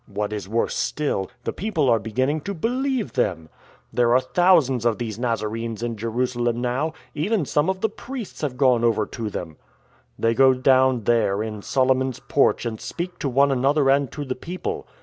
What is worse still, the people are beginning to believe them. There 66 SCOURGE OF THE NAZARENES 67 are thousands of these Nazarenes in Jerusalem now — even some of the priests have gone over to them. " They go down there in Solomon's Porch and speak to one another and to the people.